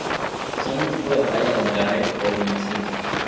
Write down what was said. Son un tipo de falla de desgarre por inmersión.